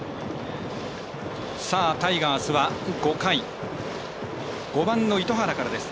タイガースは５回、５番の糸原からです。